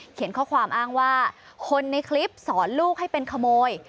ข้อความอ้างว่าคนในคลิปสอนลูกให้เป็นขโมย